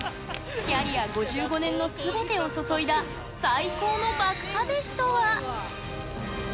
キャリア５５年のすべてを注いだ最高の爆破メシとは。